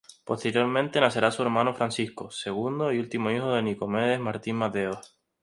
Posteriormente nacerá su hermano Francisco, segundo y último hijo de Nicomedes Martín Mateos.